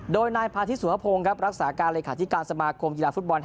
โดยนายพาธิสุภพงศ์ครับ